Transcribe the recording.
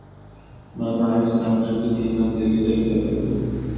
მამა არის წარმოშობით ირლანდიელი და იტალიელი.